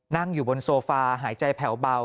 นั่งอยู่บนโซฟาหายใจแผ่วเบา